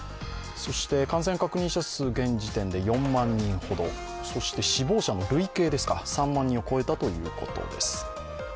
そして感染確認者数現時点で４万人ほどそして死亡者の累計、３万人を超えたということです。